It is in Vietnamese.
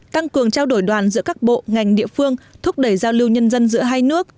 tăng cường trao đổi đoàn giữa các bộ ngành địa phương thúc đẩy giao lưu nhân dân giữa hai nước